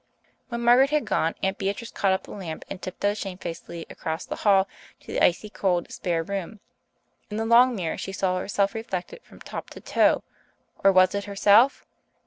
When Margaret had gone Aunt Beatrice caught up the lamp and tiptoed shamefacedly across the hall to the icy cold spare room. In the long mirror she saw herself reflected from top to toe or was it herself!